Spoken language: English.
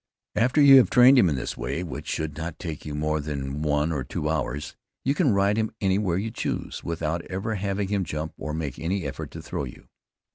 After you have trained him in this way, which should not take you more than one or two hours, you can ride him any where you choose without ever having him jump or make any effort to throw you.